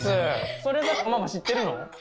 それはママ知ってるの？